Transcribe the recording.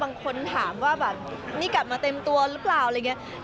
บางคนถามว่าแบบนี่กลับมาเต็มตัวหรือเปล่าอะไรอย่างนี้